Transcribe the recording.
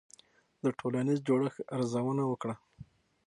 د ټولنیز جوړښت ارزونه وکړه.